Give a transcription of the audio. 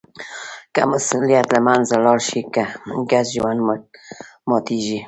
که مسوولیت له منځه لاړ شي، ګډ ژوند ماتېږي.